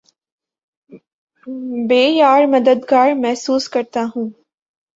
بے یارومددگار محسوس کرتا ہوں